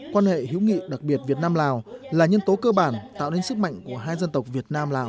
quan hệ hữu nghị đặc biệt việt nam lào là nhân tố cơ bản tạo nên sức mạnh của hai dân tộc việt nam lào